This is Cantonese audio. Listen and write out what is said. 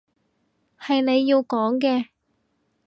係你要講嘅